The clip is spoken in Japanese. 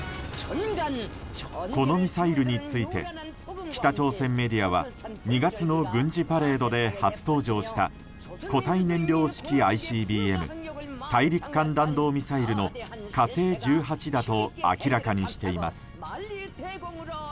このミサイルについて北朝鮮メディアは２月の軍事パレードで初登場した固体燃料式ＩＣＢＭ・大陸間弾道ミサイルの「火星１８」だと明らかにしています。